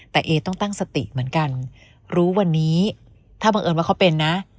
แต่เอต้องตั้งสติเหมือนกันรู้วันนี้ถ้าบังเอิญว่าเขาเป็นนะ